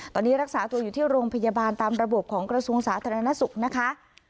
ตอนนี้รักษาตัวอยู่ที่โรงพยาบาลตามระบบของกระทรวงสาธารณสุขนะคะ